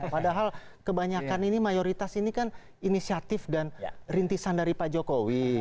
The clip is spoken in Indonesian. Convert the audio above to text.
padahal kebanyakan ini mayoritas ini kan inisiatif dan rintisan dari pak jokowi